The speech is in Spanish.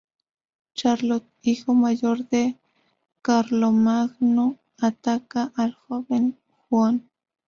Charlot, hijo mayor de Carlomagno, ataca al joven Huon.